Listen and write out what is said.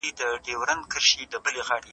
ښه ملګري د ژوند کیفیت ښه کوي.